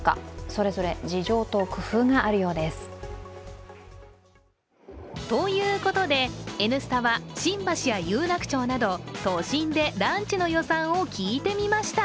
それぞれ事情と工夫があるようです。ということで、「Ｎスタ」は新橋や有楽町など都心でランチの予算を聞いてみました。